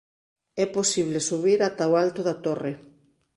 É posible subir ata o alto da torre.